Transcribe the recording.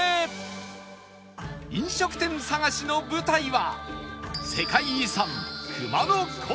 飲食店探しの舞台は